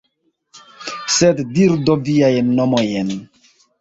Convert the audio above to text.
Sed diru do viajn nomojn!